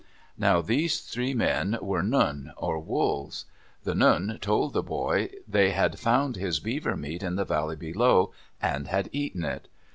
Now these three men were Nun, or wolves. The Nun told the boy they had found his beaver meat in the valley below, and had eaten it.